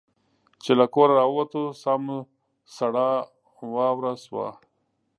چې له کوره را ووتو ساه مو سړه واوره شوه.